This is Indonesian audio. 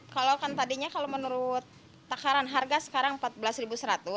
kalau kan tadinya kalau menurut takaran harga sekarang rp empat belas seratus